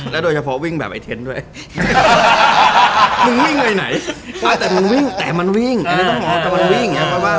และโดยเฉพาะวิ่งแบบไอ้เทรนด์ด้วยมันวิ่งไหนมันมองถึงมันวิ่ง